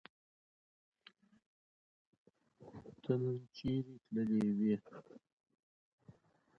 د خپلواکۍ اتل هېڅکله نه هيريږي.